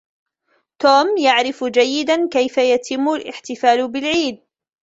توم يعرف جيداً كيف يتم الاحتفال بالعيد